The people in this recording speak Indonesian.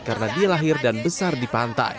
karena dia lahir dan besar di pantai